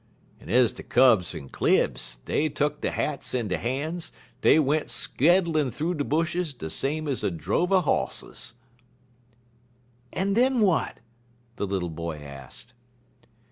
En ez ter Kubs en Klibs, dey tuck der hats in der han's, en dey went skaddlin' thoo de bushes des same ez a drove er hosses." "And then what?" the little boy asked.